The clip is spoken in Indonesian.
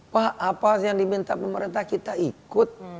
pak apa yang diminta pemerintah kita ikut